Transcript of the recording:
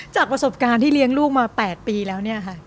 จากประสบการณ์ที่เลี้ยงลูกมา๘ปีแล้วเนี่ยค่ะ